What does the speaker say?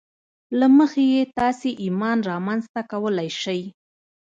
له مخې یې تاسې ایمان رامنځته کولای شئ